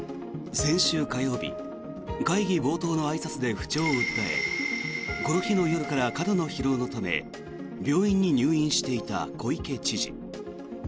先週火曜日会議冒頭のあいさつで不調を訴えこの日の夜から過度の疲労のため病院に入院していた小池知事。